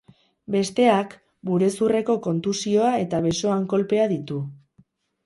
Besteak burezurreko kontusioa eta besoan kolpea ditu.